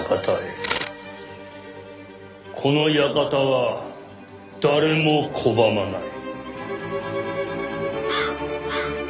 この館は誰も拒まない。